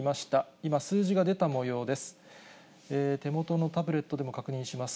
今、数字が出たもようです。